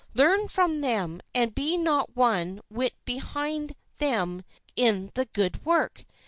Learn from them and be not one whit behind them in the good work.